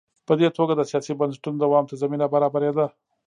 په دې توګه د سیاسي بنسټونو دوام ته زمینه برابرېده.